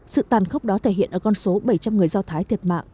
sự tàn khốc đó thể hiện ở con số bảy trăm linh người do thái thiệt mạng